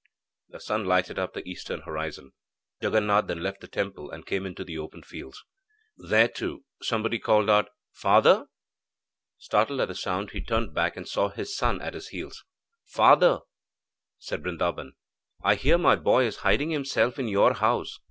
The sun lighted up the eastern horizon. Jaganath then left the temple, and came into the open fields. There, too, somebody called out 'Father.' Startled at the sound, he turned back and saw his son at his heels. 'Father,' said Brindaban, 'I hear my boy is hiding himself in your house.